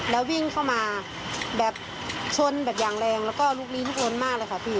แล้ววิ่งเข้ามาแบบชนแบบอย่างแรงแล้วก็ลุกลิ้นชนมากเลยค่ะพี่